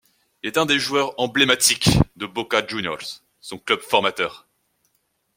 Il est un des joueurs emblématiques de Boca Juniors, son club formateur.